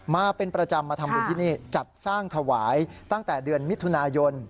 มาเป็นประจำมาทำบุญที่นี่จัดสร้างถวายตั้งแต่เดือนมิถุนายน